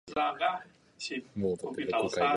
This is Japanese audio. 河南省の省都は鄭州である